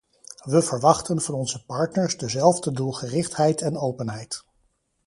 We verwachten van onze partners dezelfde doelgerichtheid en openheid.